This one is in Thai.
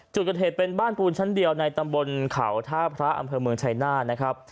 จุดเหตุเป็นบ้านปูนชั้นเดียวในตำบลเขาท่าพระอำเภอเมืองไชน่า